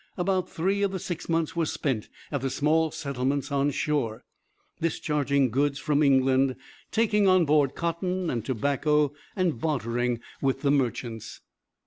About three of the six months were spent at the small settlements on shore, discharging goods from England, taking on board cotton and tobacco, and bartering with the merchants.